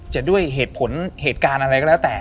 จะด้วยเหตุผลเหตุการณ์อะไรก็แล้วแต่